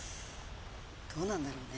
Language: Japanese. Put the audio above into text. どうなんだろうね。